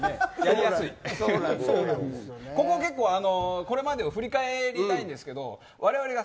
結構これまでを振り返りたいんですけど正直に。